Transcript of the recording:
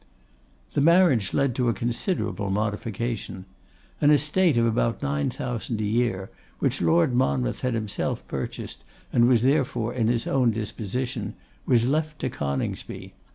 The marriage led to a considerable modification. An estate of about nine thousand a year, which Lord Monmouth had himself purchased, and was therefore in his own disposition, was left to Coningsby.